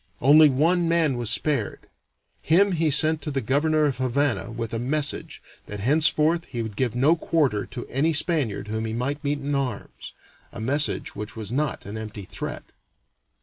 Only one man was spared; him he sent to the governor of Havana with a message that henceforth he would give no quarter to any Spaniard whom he might meet in arms a message which was not an empty threat.